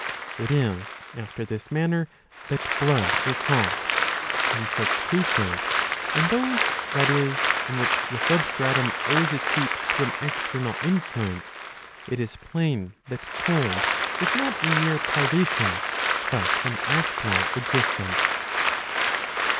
It is after this manner that blood is hot.'* In such cases, in those, that is, in which the substratum owes its heat to an external influence, it is plain that cold is not a mere privation, but an actual existence.'